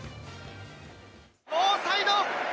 ノーサイド！